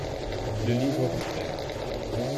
Le livre vous plait ?